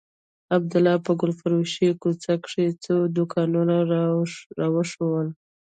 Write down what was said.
عبدالله په ګلفروشۍ کوڅه کښې څو دوکانونه راوښوول.